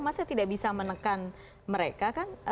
masa tidak bisa menekan mereka kan